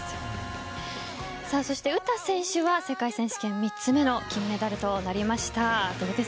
そして詩選手は世界選手権２つめの金メダルとなりました。